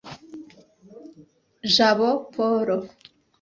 Jabo Paul